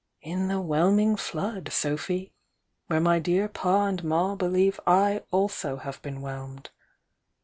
— in the whelming flood, Sophy! — where my dear Pa and Ma believe I also have been whelmed!